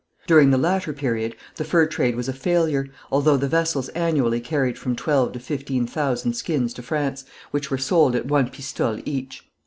During the latter period, the fur trade was a failure, although the vessels annually carried from twelve to fifteen thousand skins to France, which were sold at one pistole each.